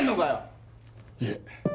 いえ。